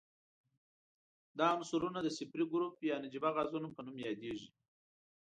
دا عنصرونه د صفري ګروپ یا نجیبه غازونو په نوم یادیږي.